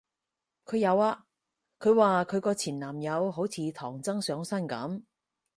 佢有啊，佢話佢個前男友好似唐僧上身噉